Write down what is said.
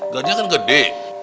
gajah kan gede